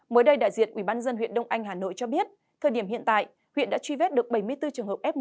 mới đây đại diện ubnd huyện đông anh hà nội cho biết thời điểm hiện tại huyện đã truy vết được bảy mươi bốn trường hợp f một